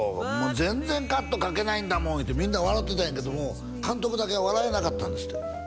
「全然カットかけないんだもん」ってみんな笑うてたんやけども監督だけは笑えなかったんですって